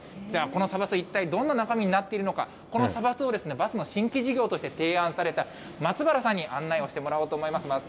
じゃあこのサバス、どんな中身になっているのか、このサバスを、バスの新規事業として提案された、松原さんに案内をしてもらおうと思います。